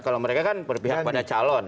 kalau mereka kan berpihak pada calon